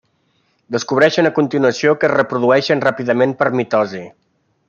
Descobreixen a continuació que es reprodueixen ràpidament per mitosi.